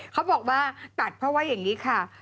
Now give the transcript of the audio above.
เขาบอกว่าตัดเพราะว่าอย่างนี้ค่ะ